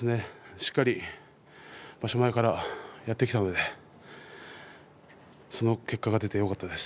しっかり場所前からやってきたのでその結果が出てよかったです。